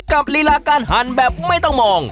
ลีลาการหั่นแบบไม่ต้องมอง